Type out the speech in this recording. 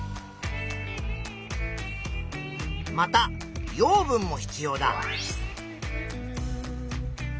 また養分も必要だ。